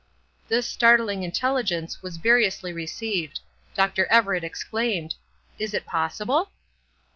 This startling intelligence was variously received. Dr. Everett exclaimed: "Is it possible?"